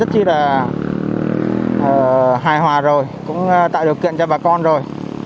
rất chi là hài hòa rồi cũng tạo điều kiện cho bà con rồi